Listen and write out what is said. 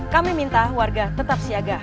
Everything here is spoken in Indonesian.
kami minta warga tetap siaga